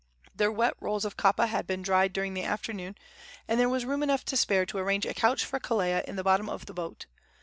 Their wet rolls of kapa had been dried during the afternoon, and there was room enough to spare to arrange a couch for Kelea in the bottom of the boat.